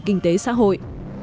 kinh tế xã hội